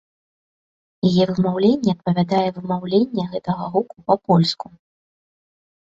Яе вымаўленне адпавядае вымаўленне гэтага гуку па-польску.